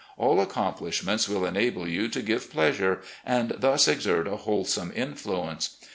All accomplishments will enable you to give pleasure, and thus exert a wholesome influence.